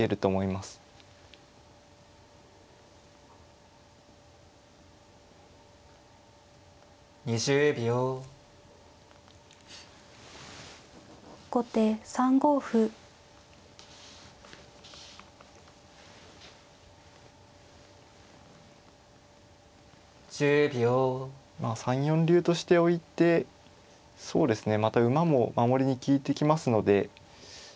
まあ３四竜としておいてそうですねまた馬も守りに利いてきますので。